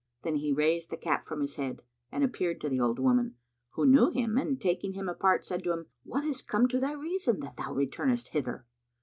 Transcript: Then he raised the cap from his head and appeared to the old woman, who knew him and taking him apart, said to him, "What is come to thy reason, that thou returnest hither?